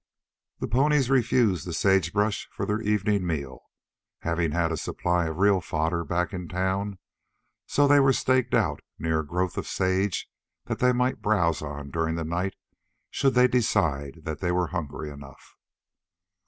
The ponies refused the sage brush for their evening meal, having had a supply of real fodder back in town, so they were staked out near a growth of sage that they might browse on during the night should they decide that they were hungry enough.